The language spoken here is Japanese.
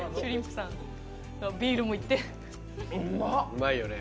うまいよね。